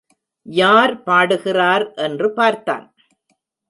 யார் பாடுகிறார் என்று பார்த்தான்.